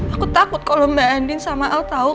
aku takut kalo mbak andin sama al tau